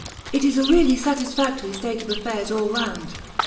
It is a really satisfactory state of affairs all round.